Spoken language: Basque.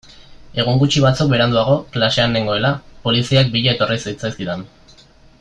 Egun gutxi batzuk beranduago, klasean nengoela, poliziak bila etorri zitzaizkidan.